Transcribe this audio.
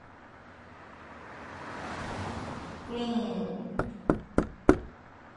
Being a neighbourhood, there is no industry in Gossops Green.